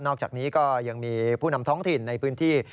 อกจากนี้ก็ยังมีผู้นำท้องถิ่นในพื้นที่